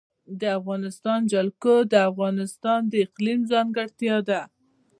د افغانستان جلکو د افغانستان د اقلیم ځانګړتیا ده.